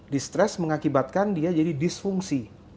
distress mengakibatkan dia jadi disfungsi